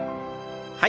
はい。